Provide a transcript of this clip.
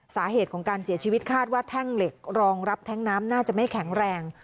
สาเหตุของการเสียชีวิตคาดว่าแท่งเหล็กรองรับแท้งน้ำน่าจะไม่แข็งแรง